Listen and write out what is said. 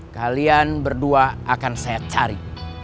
kalian berdua akan saya cari